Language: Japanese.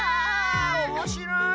おもしろい！